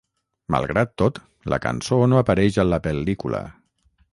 Malgrat tot, la cançó no apareix a la pel·lícula.